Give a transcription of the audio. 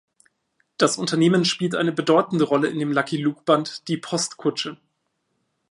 Das Unternehmen spielt eine bedeutende Rolle in dem Lucky-Luke-Band Die Postkutsche.